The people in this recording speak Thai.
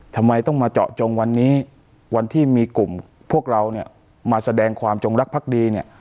ทำไมต้องมาเจาะจงวันนี้วันที่มีกลุ่มพวกเราเนี่ยมาแสดงความจงรักภักดีเนี่ย